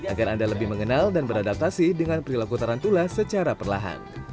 agar anda lebih mengenal dan beradaptasi dengan perilaku tarantula secara perlahan